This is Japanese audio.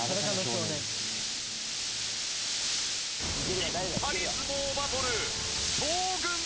引っ張り相撲バトル将軍戦。